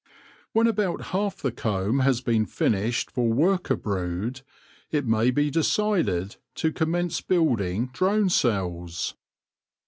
When about half the comb has been finished for worker brood it may be decided to commence build ing drone cells.